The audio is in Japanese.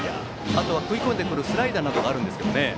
あとは食い込んでくるスライダーなどがありますが。